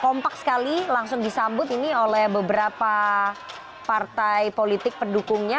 kompak sekali langsung disambut ini oleh beberapa partai politik pendukungnya